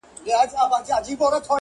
• هغه زما خبري پټي ساتي.